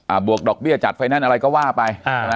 บวกดอกเบี้ยจัดไฟแนนซ์อะไรก็ว่าไปอ่า